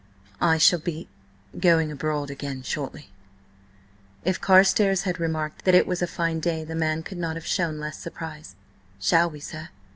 "I shall be–going abroad again shortly." If Carstares had remarked that it was a fine day the man could not have shown less surprise. "Shall we, sir?"